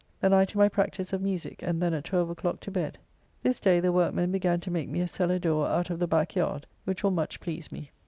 Then I to my practice of musique and then at 12 o'clock to bed. This day the workmen began to make me a sellar door out of the back yard, which will much please me.